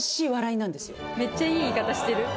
めっちゃいい言い方してる。